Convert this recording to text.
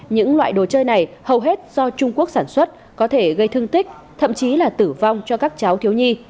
những loại đồ chơi này hầu hết do trung quốc sản xuất có thể gây thương tích thậm chí là tử vong cho các cháu thiếu nhi